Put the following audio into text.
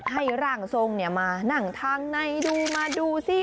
ให้ร่างทรงมานั่งทางในดูมาดูสิ